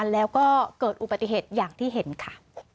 แล้วก็เกิดอุบัติเหตุอย่างที่เห็นค่ะ